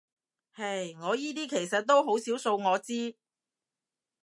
唉，我依啲其實到好少數我知